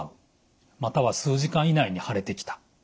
または数時間以内に腫れてきた。